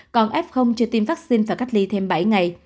còn f chưa tiêm vaccine và cách ly thêm bảy ngày